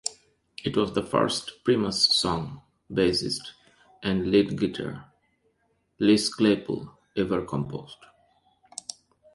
It was the first Primus song bassist and lead singer Les Claypool ever composed.